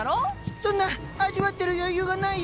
そんな味わってる余裕がないよ！